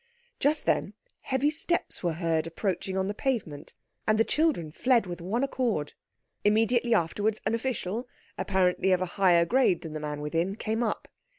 Just then heavy steps were heard approaching on the pavement, and the children fled with one accord. Immediately afterwards an official, apparently of a higher grade than the man within, came up.